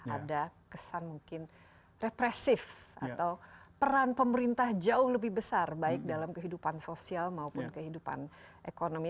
ada kesan mungkin represif atau peran pemerintah jauh lebih besar baik dalam kehidupan sosial maupun kehidupan ekonomi